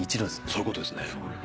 そういうことですね。